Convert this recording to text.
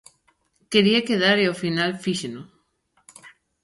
Quería quedar e ao final fíxeno.